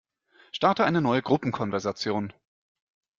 Starte eine neue Gruppenkonversation.